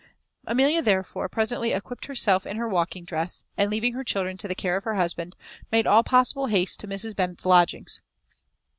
Amelia, therefore, presently equipped herself in her walking dress, and, leaving her children to the care of her husband, made all possible haste to Mrs. Bennet's lodgings.